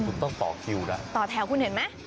คุณต้องต่อคิวนะต่อแถวคุณเห็นไหม